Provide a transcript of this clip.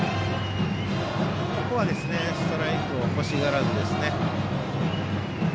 ここはストライクを欲しがらずですね。